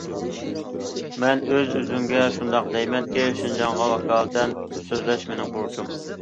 مەن ئۆز- ئۆزۈمگە شۇنداق دەيمەنكى، شىنجاڭغا ۋاكالىتەن سۆزلەش مېنىڭ بۇرچۇم!